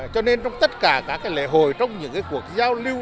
cho nên trong tất cả các cái lễ hội trong những cái cuộc giao lưu